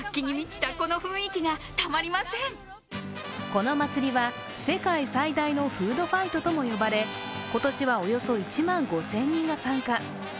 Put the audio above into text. この祭りは世界最大のフードファイトとも呼ばれ、今年は、およそ１万５０００人が参加。